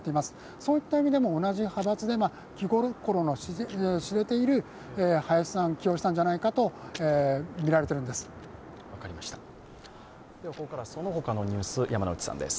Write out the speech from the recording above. そういった意味でも同じ派閥で気心の知れている林さんを起用したんじゃないかと見られているんです。